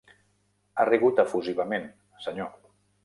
Ha rigut efusivament, senyor.